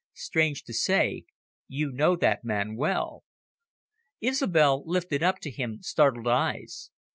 Strange to say, you know that man well." Isobel lifted up to him startled eyes.